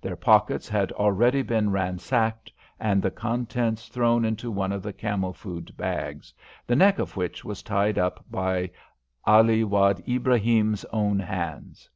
Their pockets had already been ransacked, and the contents thrown into one of the camel food bags, the neck of which was tied up by Ali Wad Ibrahim's own hands.